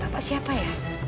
pak siapa ya